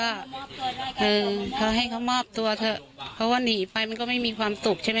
เออเขาให้เขามอบตัวเถอะเพราะว่าหนีไปมันก็ไม่มีความสุขใช่ไหม